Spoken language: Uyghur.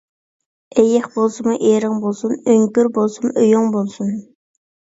ئېيىق بولسىمۇ ئېرىڭ بولسۇن، ئۆڭكۈر بولسىمۇ ئۆيۈڭ بولسۇن.